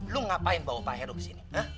lu ngapain bawa pak heru ke sini